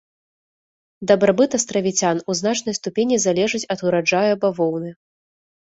Дабрабыт астравіцян у значнай ступені залежыць ад ураджаяў бавоўны.